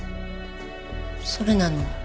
それなのに。